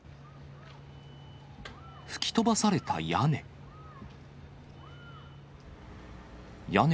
吹き飛ばされた屋根。